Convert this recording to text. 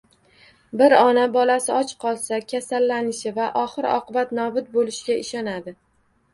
Bir ona bolasi och qolsa kasallanishi va oxir-oqibat nobud bo'lishiga ishonadi.